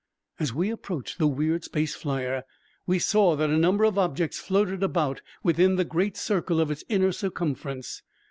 As we approached the weird space flier, we saw that a number of objects floated about within the great circle of its inner circumference.